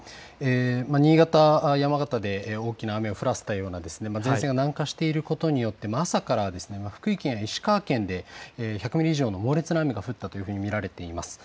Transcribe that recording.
新潟、山形で大きな雨を降らせたような前線が南下していることによって朝から福井県や石川県で１００ミリ以上の猛烈な雨が降ったと見られています。